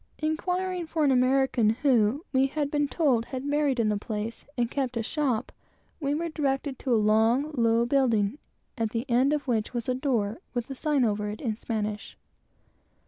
Inquiring for an American who, we had been told, had married in the place, and kept a shop, we were directed to a long, low building, at the end of which was a door, with a sign over it, in Spanish.